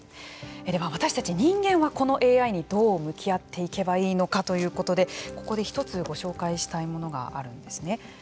では私たち人間はこのＡＩにどう向き合っていけばいいのかということでここで１つご紹介したいものがあるんですね。